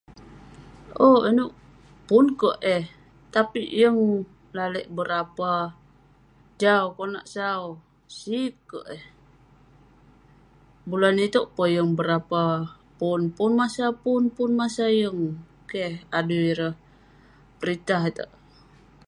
Owk..inouk..pun kerk eh, tapik yeng lalek berapa jau konak sau, sik kerk eh..Bulan itouk peh yeng berapa pun. Pun masa pun, pun masa yeng, keh...adui ireh peritah itouk..